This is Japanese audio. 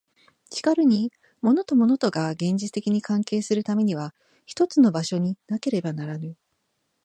しかるに物と物とが現実的に関係するためには一つの場所になければならぬ。